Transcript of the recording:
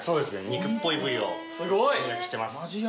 肉っぽい部位を集約してます。